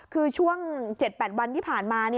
คือช่วง๗๘วันที่ผ่านมา